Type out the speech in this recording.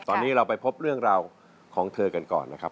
ตอนนี้เราไปพบเรื่องราวของเธอกันก่อนนะครับ